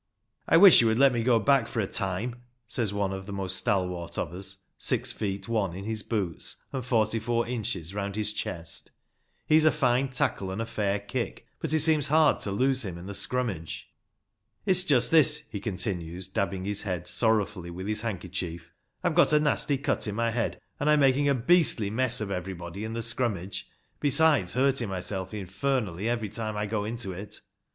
"I wish you would let me go back for a time," says one of the most stalwart of us, six feet one in his boots, and forty four inches round the chest. He is a fine tackle and a fair kick. A MODERN GAME OF RUGBY FOOTBALL, ill but it seems hard to lose him in the scrummage. "It's just this," he continues, dabbing his head sorrowfully with his handkerchief: ''I've got a nasty cut in my head, and I'm making a beastly mess of everybody in the scrummage, besides hurting myself infernally every time I go into it."